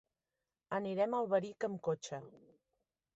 Anirem a Alberic amb cotxe.